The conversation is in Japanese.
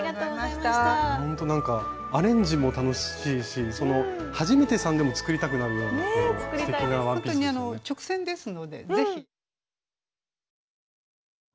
ほんとアレンジも楽しいし初めてさんでも作りたくなるようなすてきなワンピースですね。